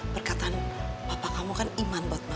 perkataan papa kamu kan iman buat mama